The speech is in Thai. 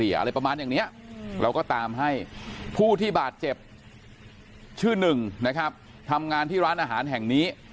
อะไรประมาณอย่างเนี้ยเราก็ตามให้ผู้ที่บาดเจ็บชื่อหนึ่งนะครับทำงานที่ร้านอาหารแห่งนี้